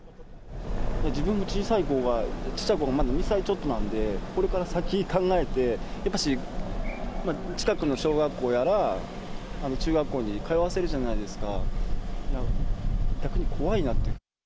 自分の小さい子が、まだ２歳ちょっとなんで、これから先考えて、やっぱし、近くの小学校やら、中学校に通わせるじゃないですか、逆に怖いなって。